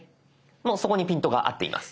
もうそこにピントが合っています。